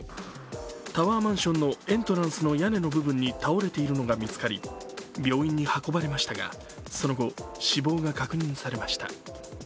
タワーマンションのエントランスの屋根の部分に倒れているのが見つかり、病院に運ばれましたがその後、死亡が確認されました。